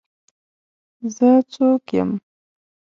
زه څوک یم؟